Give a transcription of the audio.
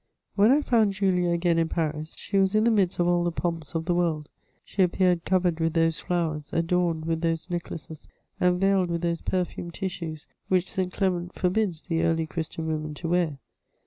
When I found Julia again in Paris, she was in the midst of all the pomps of the world; she appeared covered witk those flowers, adorned with those necklaces, and veiled with those perfumed tissues which St. Clement forbids the early Christian women to wear.